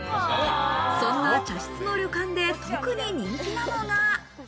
そんな茶室の旅館で特に人気なのが。